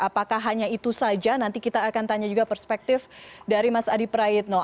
apakah hanya itu saja nanti kita akan tanya juga perspektif dari mas adi prayitno